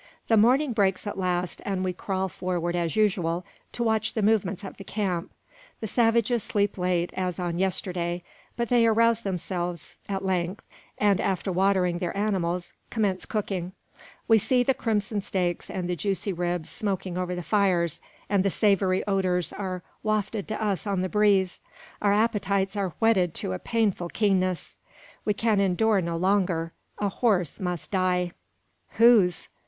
The morning breaks at last, and we crawl forward as usual, to watch the movements of the camp. The savages sleep late, as on yesterday; but they arouse themselves at length, and after watering their animals, commence cooking. We see the crimson streaks and the juicy ribs smoking over the fires, and the savoury odours are wafted to us on the breeze. Our appetites are whetted to a painful keenness. We can endure no longer. A horse must die! Whose?